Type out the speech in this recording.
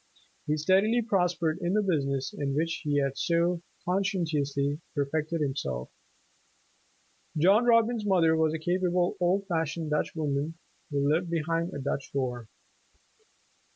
He steadily pros pered in the business, in which he had so conscientious ly perfected himself. John Robbins' mother was a capable, old fashioned Dutch woman, who lived behind a Dutch door.